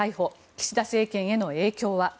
岸田政権への影響は。